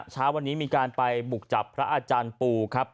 เช้าวันนี้มีการไปบุกจับพระอาจารย์ปูครับ